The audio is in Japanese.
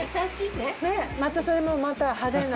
またそれもまた派手な。